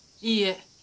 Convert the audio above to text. いいえ。